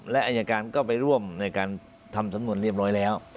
และอายการก็ไปร่วมในการทำสำนวนเรียบร้อยแล้ว